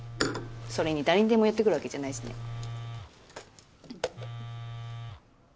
それに誰にでも寄ってくるわけじゃないしね。